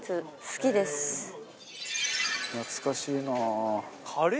懐かしいな。